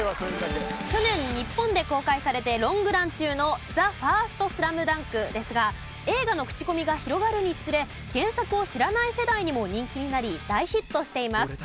去年日本で公開されてロングラン中の『ＴＨＥＦＩＲＳＴＳＬＡＭＤＵＮＫ』ですが映画の口コミが広がるにつれ原作を知らない世代にも人気になり大ヒットしています。